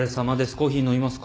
コーヒー飲みますか？